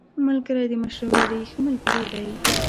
ملګری د مشورې ښه ملګری دی